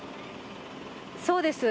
そうです。